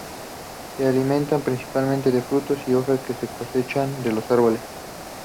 Se alimentan principalmente de frutos y hojas que cosechan de los árboles.